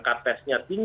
dan itu menjadi konsumen